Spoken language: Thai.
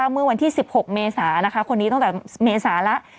เมื่อวันที่๑๖เมษาคนนี้ตั้งแต่เมษาแล้ว